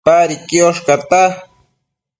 Padi quiosh cata